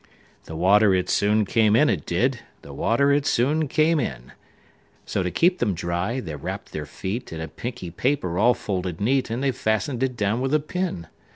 The water it soon came in, it did; The water it soon came in:So, to keep them dry, they wrapp'd their feetIn a pinky paper all folded neat:And they fasten'd it down with a pin.